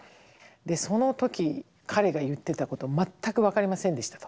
その時「彼が言ってたこと全く分かりませんでした」と。